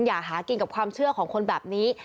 อย่าหากินกับความเชื่อของคนแบบนี้